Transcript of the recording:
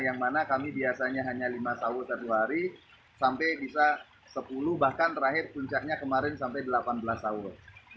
yang mana kami biasanya hanya lima sawul satu hari sampai bisa sepuluh bahkan terakhir puncaknya kemarin sampai delapan belas sahur